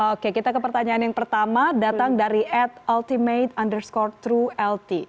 oke kita ke pertanyaan yang pertama datang dari at ultimate underscore true lt